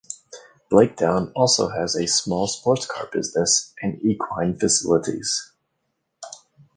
Blakedown also has a small sports car business and equine facilities.